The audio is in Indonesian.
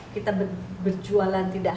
kita berjualan tidak